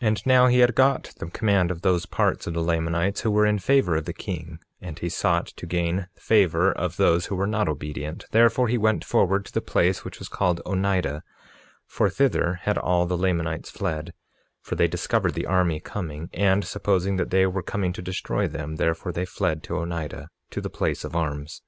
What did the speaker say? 47:5 And now he had got the command of those parts of the Lamanites who were in favor of the king; and he sought to gain favor of those who were not obedient; therefore he went forward to the place which was called Onidah, for thither had all the Lamanites fled; for they discovered the army coming, and, supposing that they were coming to destroy them, therefore they fled to Onidah, to the place of arms.